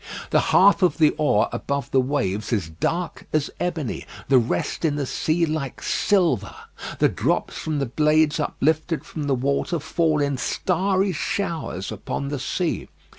The half of the oar above the waves is dark as ebony, the rest in the sea like silver. The drops from the blades uplifted from the water fall in starry showers upon the sea.